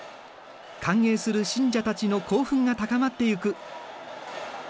歓迎する信者たちの興奮が高まっていく。